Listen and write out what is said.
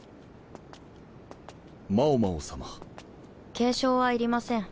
敬称は要りません